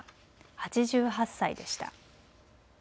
８８歳でした。